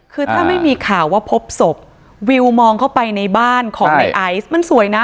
คือถ้าไม่มีข่าวว่าพบศพวิวมองเข้าไปในบ้านของในไอซ์มันสวยนะ